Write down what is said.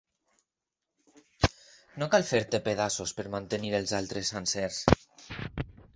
No cal fer-te pedaços per mantenir els altres sencers.